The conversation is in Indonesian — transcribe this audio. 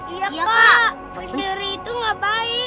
iya kak pencuri itu gak baik